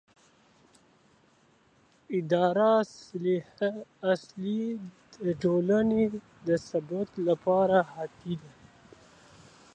اداري اصلاح د ټولنې د ثبات لپاره حیاتي دی